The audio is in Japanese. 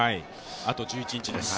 あと１１日です。